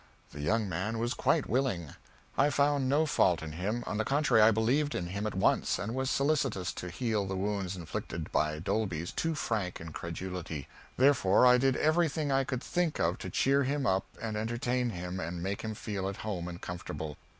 The young man was quite willing. I found no fault in him. On the contrary, I believed in him at once, and was solicitous to heal the wounds inflicted by Dolby's too frank incredulity; therefore I did everything I could think of to cheer him up and entertain him and make him feel at home and comfortable.